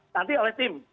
nanti oleh tim